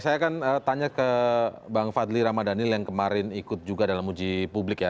saya akan tanya ke bang fadli ramadhanil yang kemarin ikut juga dalam uji publik ya